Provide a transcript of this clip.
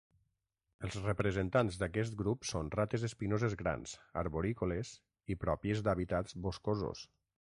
Els representants d'aquest grup són rates espinoses grans, arborícoles i pròpies d'hàbitats boscosos.